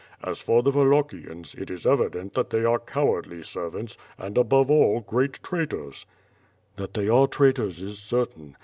As for the Wallachians, it is evident that they are cowardly servants, and above all, great traitors." "That they are traitors is certain.